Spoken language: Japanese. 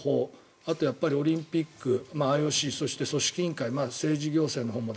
あと、オリンピックＩＯＣそして、組織委員会政治行政のほうも。